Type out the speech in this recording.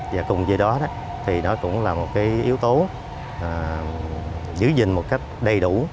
và cùng với đó nó cũng là một yếu tố giữ gìn một cách đầy đủ